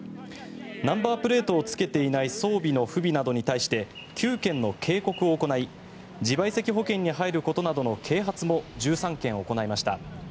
ナンバープレートをつけていない装備の不備などに対して９件の警告を行い自賠責保険に入ることなどの啓発も１３件行いました。